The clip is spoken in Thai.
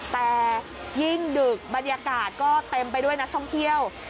แต่ยิ่งดึกบรรยากาศก็เต็มไปด้วยนักท่องเที่ยว